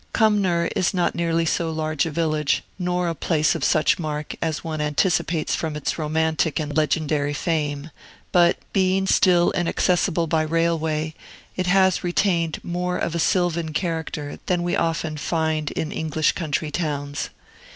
Cumnor is not nearly so large a village, nor a place of such mark, as one anticipates from its romantic and legendary fame; but, being still inaccessible by railway, it has retained more of a sylvan character than we often find in English country towns.